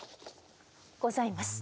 ございます。